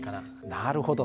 なるほど。